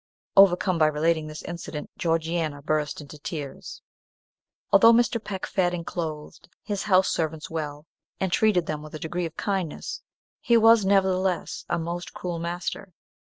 Overcome by relating this incident, Georgiana burst into tears. Although Mr. Peck fed and clothed his house servants well, and treated them with a degree of kindness, he was, nevertheless, a most cruel master.